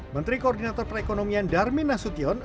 menteri koordinator perekonomian darmin nasution